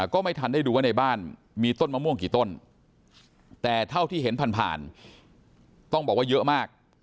ก็ไม่ทันได้ดูว่าในบ้านมีต้นมะม่วงกี่ต้นแต่เท่าที่เห็นผ่านผ่านต้องบอกว่าเยอะมาก